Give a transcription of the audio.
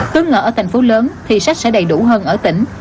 cứ ngỡ ở thành phố lớn thì sách sẽ đầy đủ hơn ở tỉnh